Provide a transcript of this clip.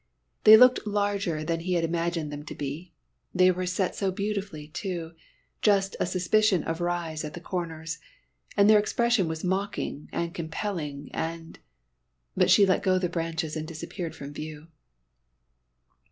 They looked larger than he had imagined them to be. They were set so beautifully, too, just a suspicion of rise at the corners. And their expression was mocking and compelling and But she let go the branches and disappeared from view.